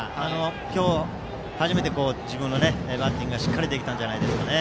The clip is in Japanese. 今日、初めて自分のバッティングがしっかりできたんじゃないですかね。